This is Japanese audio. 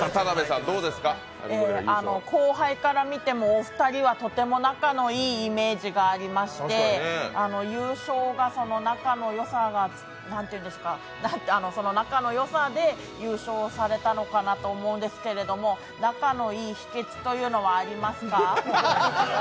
後輩から見てもお二人はとても仲のいいイメージがありまして、優勝が、その仲のよさが、何て言うのかな、仲のよさで優勝されたのかなと思うんですけど仲の良い秘けつというのはありますか？